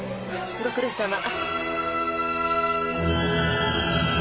ご苦労さま。